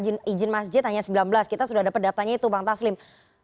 sekarang untuk izin masjid hanya sembilan belas kita sudah dapat daftarnya itu bang taslim